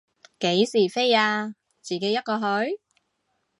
幾時飛啊，自己一個去？